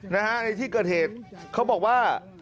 ในที่เกิดเหตุเขาบอกว่า